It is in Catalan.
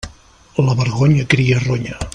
La vergonya cria ronya.